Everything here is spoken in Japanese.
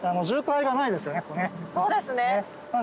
そうですね。